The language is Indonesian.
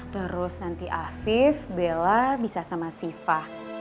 terus nanti afif bella bisa sama siva